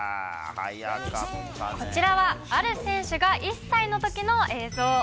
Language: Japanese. こちらはある選手が１歳のときの映像。